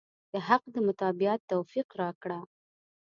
د حق د متابعت توفيق راکړه.